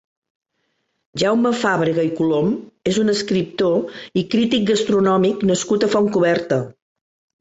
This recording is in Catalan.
Jaume Fàbrega i Colom és un escriptor i crític gastronòmic nascut a Fontcoberta.